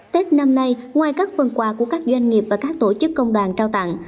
tết năm nay ngoài các phần quà của các doanh nghiệp và các tổ chức công đoàn trao tặng